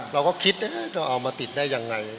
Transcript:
เราก็คิดจะเอามาติดได้ยังไง